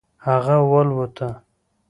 هغه والوته.